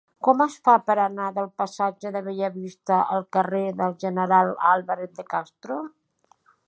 Com es fa per anar del passatge de Bellavista al carrer del General Álvarez de Castro?